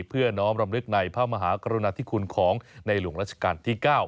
เพื่อน้อมรำลึกในพระมหากรุณาธิคุณของในหลวงราชการที่๙